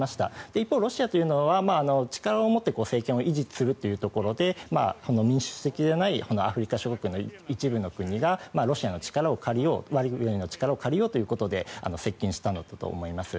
一方、ロシアは力を持って政権を維持するというところで民主的ではないアフリカ諸国の一部の国がロシアの力を借りようワグネルの力を借りようということで接近したんだと思います。